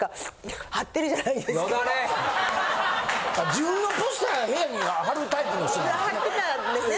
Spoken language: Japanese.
自分のポスター部屋に貼るタイプの人なんですね。